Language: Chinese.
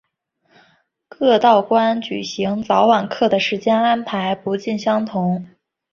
各道观举行早晚课的时间安排不尽相同。